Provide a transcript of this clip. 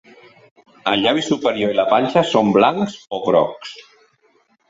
El llavi superior i la panxa són blancs o grocs.